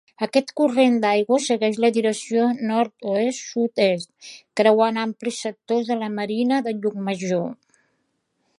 Aquest corrent d'aigua segueix la direcció nord-oest-sud-est, creuant amplis sectors de la Marina de Llucmajor.